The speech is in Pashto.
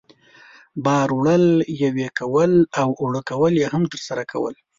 بار وړل، یوې کول او اوړه کول یې هم ترسره کول.